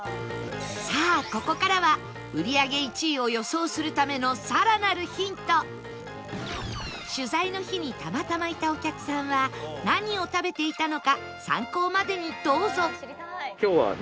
さあここからは売り上げ１位を予想するための取材の日にたまたまいたお客さんは何を食べていたのか参考までにどうぞ